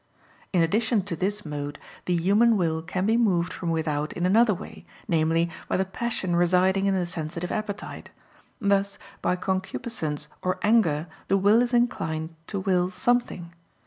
In addition to this mode the human will can be moved from without in another way; namely, by the passion residing in the sensitive appetite: thus by concupiscence or anger the will is inclined to will something.